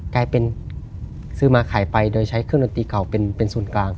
กลายเป็นซื้อมาขายไปโดยใช้เครื่องดนตรีเก่าเป็นศูนย์กลาง